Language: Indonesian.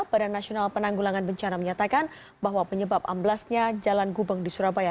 badan nasional penanggulangan bencana menyatakan bahwa penyebab amblasnya jalan gubeng di surabaya